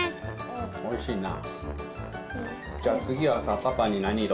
おいしいな。